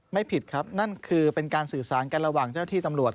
ไม่ผิดครับนั่นคือเป็นการสื่อสารกันระหว่างเจ้าที่ตำรวจ